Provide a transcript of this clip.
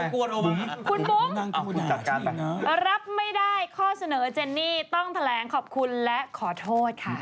คุณบุ๊ครับไม่ได้ข้อเสนอเจนนี่ต้องแถลงขอบคุณและขอโทษค่ะ